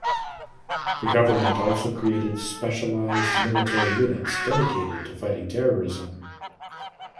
The government also created specialized military units dedicated to fighting terrorism.